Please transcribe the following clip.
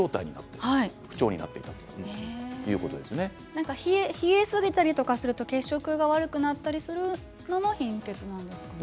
それで不調になっていた冷えすぎたりすると血色が悪くなったりするのも貧血なんですね。